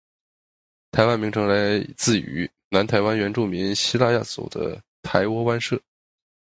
“台湾”名称来自于南台湾原住民西拉雅族的台窝湾社。